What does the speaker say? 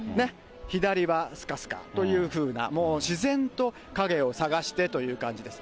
左はすかすかというふうな、もう自然と影を探してという感じです。